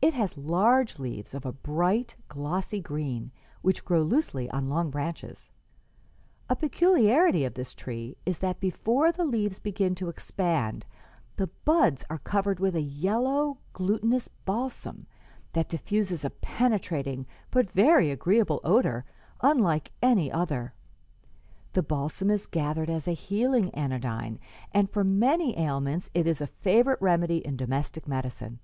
It has large leaves of a bright, glossy green, which grow loosely on long branches, A peculiarity of this tree is that before the leaves begin to expand the buds are covered with a yellow, glutinous balsam that diffuses a penetrating but very agreeable odor unlike any other. The balsam is gathered as a healing anodyne, and for many ailments it is a favorite remedy in domestic medicine.